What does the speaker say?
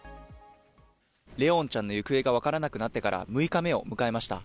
怜音ちゃんの行方がわからなくなってから６日目を迎えました。